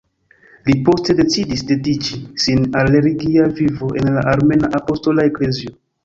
Li poste decidis dediĉi sin al religia vivo en la Armena Apostola Eklezio.